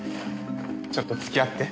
ちょっと付き合って。